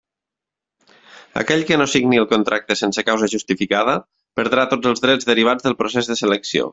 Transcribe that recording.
Aquell que no signi el contracte sense causa justificada, perdrà tots els drets derivats del procés de selecció.